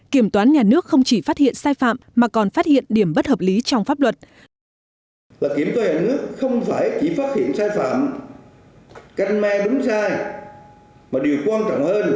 kiểm toán nhà nước không chỉ phát hiện sai phạm mà còn phát hiện điểm bất hợp lý trong pháp luật